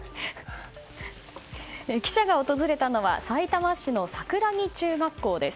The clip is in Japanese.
記者が訪れたのはさいたま市の桜木中学校です。